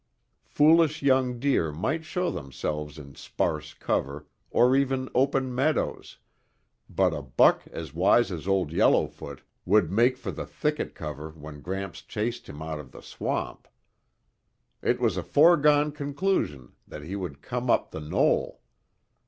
Foolish young deer might show themselves in sparse cover or even open meadows, but a buck as wise as Old Yellowfoot would make for the thickest cover when Gramps chased him out of the swamp. It was a foregone conclusion that he would come up the knoll.